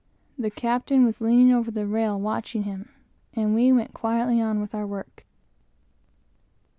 The captain was leaning over the rail watching him, and we quietly went on with our work.